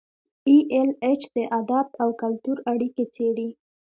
ای ایل ایچ د ادب او کلتور اړیکې څیړي.